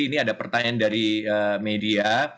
ini ada pertanyaan dari media